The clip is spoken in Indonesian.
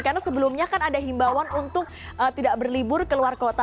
karena sebelumnya kan ada himbawan untuk tidak berlibur ke luar kota